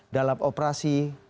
dalam operasi kpk